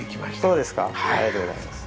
ありがとうございます。